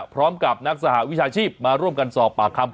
พร้อมกับนักสหวิชาชีพมาร่วมกันสอบปากคำ